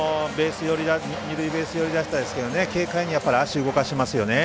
二塁ベース寄りでしたけど軽快に足を動かしますよね。